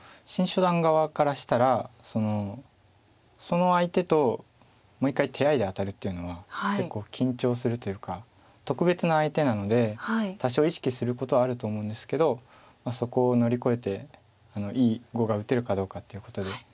新初段側からしたらその相手ともう一回手合で当たるっていうのは結構緊張するというか特別な相手なので多少意識することはあると思うんですけどそこを乗り越えていい碁が打てるかどうかっていうことで。